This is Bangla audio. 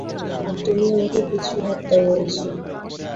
আর তুমি আমাকে পিছু হটতে বলছো।